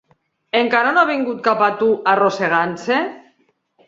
Encara no ha vingut cap a tu arrossegant-se?